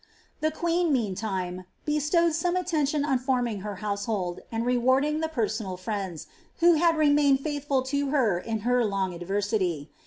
The queen, meantime, bestowed some attention on forming her hovse hold, and rewarding the personal friends, who had remained faithfal lo her in her long adversity.